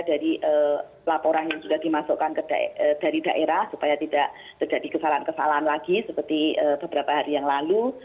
dari laporan yang sudah dimasukkan dari daerah supaya tidak terjadi kesalahan kesalahan lagi seperti beberapa hari yang lalu